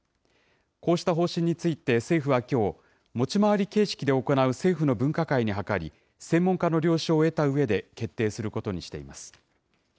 こうした方針について、政府はきょう、持ち回り形式で行う政府の分科会に諮り、専門家の了承を得たうえで、決定することにしています。